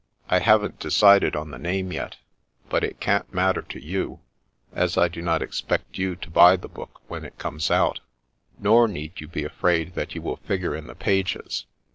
" I haven't decided on the name yet, but it can't matter to you, as I do not ex pect you to buy the book when it comes out ; nor need you be afraid that you will figure in the pages.